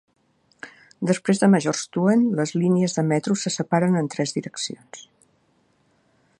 Després de Majorstuen, les línies de metro se separen en tres direccions.